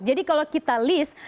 jadi kalau kita list